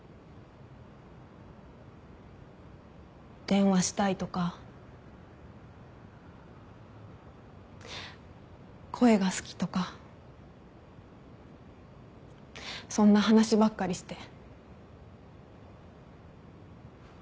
電話したいとか声が好きとかそんな話ばっかりして。